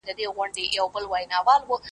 خو هغه کړو چي بادار مو خوشالیږي .